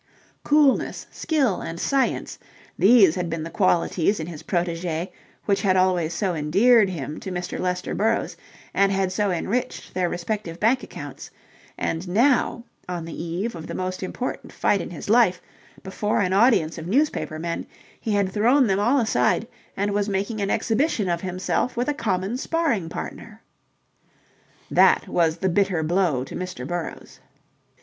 Coolness, skill and science these had been the qualities in his protégé which had always so endeared him to Mr. Lester Burrowes and had so enriched their respective bank accounts: and now, on the eve of the most important fight in his life, before an audience of newspaper men, he had thrown them all aside and was making an exhibition of himself with a common sparring partner. That was the bitter blow to Mr. Burrowes.